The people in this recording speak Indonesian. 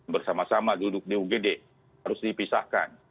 bersama sama duduk di ugd harus dipisahkan